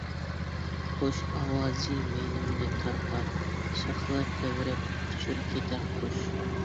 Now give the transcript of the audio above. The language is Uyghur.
قۇش ئاۋازى مەيلىمنى تارتار، شاخلار تەۋرەپ، ئۇچۇر كېتەر قۇش.